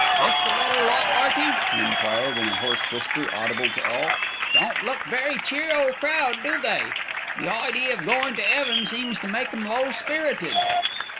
"This the little lot, 'Earty?" he enquired in a hoarse whisper audible to all. "Don't look a very cheer o crowd, do they? The idea of goin' to 'eaven seems to make 'em low spirited."